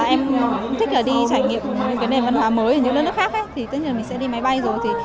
em thích là đi trải nghiệm những cái nền văn hóa mới ở những nước khác tất nhiên là mình sẽ đi máy bay rồi